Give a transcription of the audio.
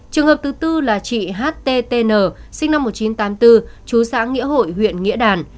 trường hợp thứ tư là chị httn sinh năm một nghìn chín trăm tám mươi bốn chú xã nghĩa hội huyện nghĩa đàn